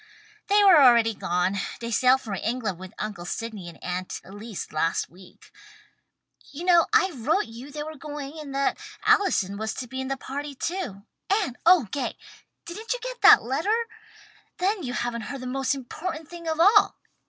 "They are already gone. They sailed for England with Uncle Sydney and Aunt Elise last week. You know I wrote you they were going and that Allison was to be in the party too. And oh Gay! Didn't you get that letter? Then you haven't heard the most important thing of all!